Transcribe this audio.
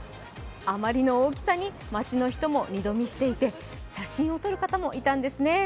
あまりの大きさに街の人も二度見していて、写真を撮る方もいたんです。